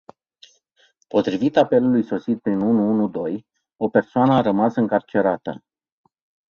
Potrivit apelului sosit prin unu unu doi, o persoană a rămas încarcerată.